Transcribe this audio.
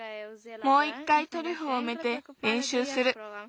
もういっかいトリュフをうめてれんしゅうする。